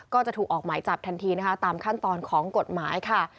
ก็จะถูกออกหมายจับทันทีนะคะตามขั้นตอนของกฎหมายค่ะ